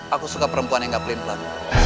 aku suka perempuan yang nggak pelin pelan